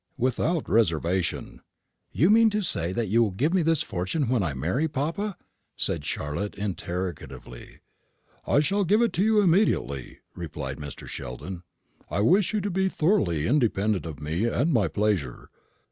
"Without reservation." "You mean to say that you will give me this fortune when I marry, papa?" said Charlotte, interrogatively. "I shall give it to you immediately," replied Mr. Sheldon. "I wish you to be thoroughly independent of me and my pleasure.